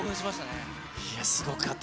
すごかった。